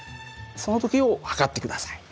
その時を計って下さい。